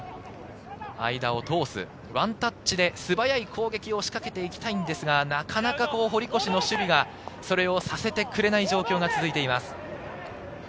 間を通す、ワンタッチで素早い攻撃を仕掛けていきたいんですが、なかなか堀越の守備がそれをさせてくれない状況です。